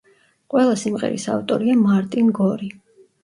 ყველა სიმღერის ავტორია მარტინ გორი.